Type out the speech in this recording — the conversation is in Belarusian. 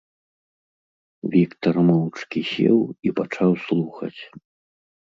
Віктар моўчкі сеў і пачаў слухаць.